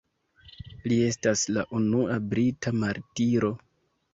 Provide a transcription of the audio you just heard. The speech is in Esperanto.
Li estas la unua brita martiro.